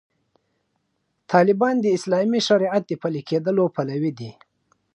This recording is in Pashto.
طالبان د اسلامي شریعت د پلي کېدو پلوي دي.